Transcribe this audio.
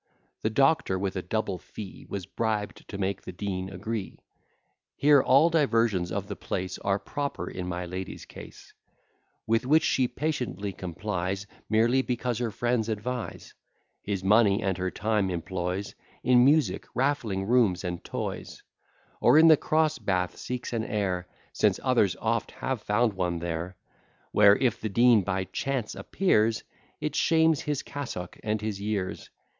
The doctor, with a double fee, Was bribed to make the Dean agree. Here, all diversions of the place Are proper in my lady's case: With which she patiently complies, Merely because her friends advise; His money and her time employs In music, raffling rooms, and toys; Or in the Cross bath seeks an heir, Since others oft have found one there; Where if the Dean by chance appears, It shames his cassock and his years.